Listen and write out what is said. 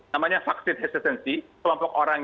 namanya vaksin hesistancy kelompok orang